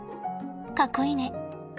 かっこいいね。